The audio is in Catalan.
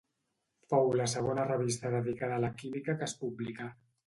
Fou la segona revista dedicada a la química que es publicà.